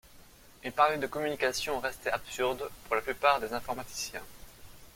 Et parler de communication restait absurde pour la plupart des informaticiens.